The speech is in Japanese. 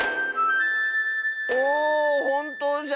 おおほんとうじゃ！